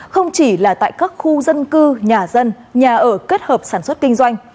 không chỉ là tại các khu dân cư nhà dân nhà ở kết hợp sản xuất kinh doanh